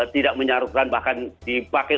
tidak menyalurkan bahkan dipakai